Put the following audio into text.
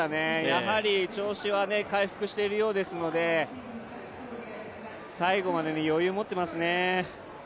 やはり調子は回復しているようですので最後まで余裕を持っていますね。